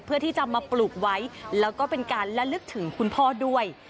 เพื่อที่จะมาปลูกไว้แล้วก็เป็นการละลึกถึงคุณพ่อด้วย